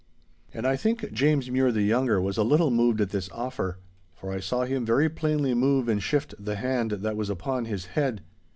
And I think James Mure the younger was a little moved at this offer, for I saw him very plainly move and shift the hand that was upon his head.